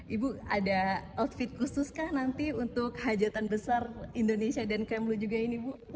ibu ada outfit khusus kah nanti untuk hajatan besar indonesia dan kmlu juga ini bu